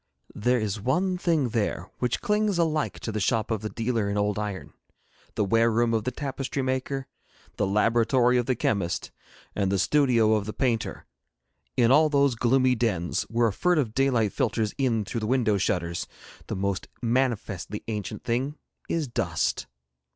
There is one thing there which clings alike to the shop of the dealer in old iron, the ware room of the tapestry maker, the laboratory of the chemist, and the studio of the painter: in all those gloomy dens where a furtive daylight filters in through the window shutters the most manifestly ancient thing is dust.